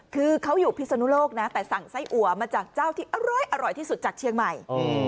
คือเขาอยู่พิศนุโลกนะแต่สั่งไส้อัวมาจากเจ้าที่อร่อยที่สุดจากเชียงใหม่